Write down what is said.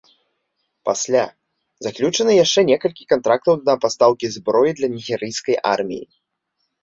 Пасля, заключаны яшчэ некалькі кантрактаў на пастаўку зброі для нігерыйскай арміі.